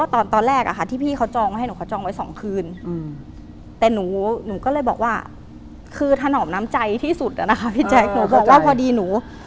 แต่ถึงตอนนึกว่าพอดีหนู